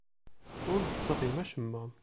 Ur d-tesɣim acemma.